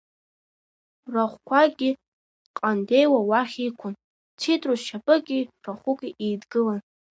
Рахәқәакгьы ҟандеиуа уахь иқәын, цитрус шьапыки рахәыки еидгылан.